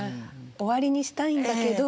終わりにしたいんだけど。